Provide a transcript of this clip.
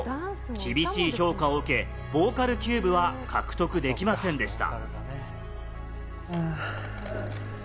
厳しい評価を受け、ボーカルキューブは獲得できませんでした。